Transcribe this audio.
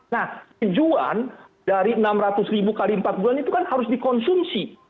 nah tujuan dari enam ratus ribu kali empat bulan itu kan harus dikonsumsi